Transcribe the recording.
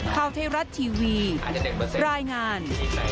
ข้าวเทรัตน์ทีวีรายงาน